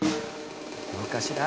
どうかしら？